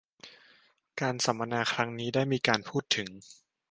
การสัมมนาครั้งนี้ได้มีการพูดถึง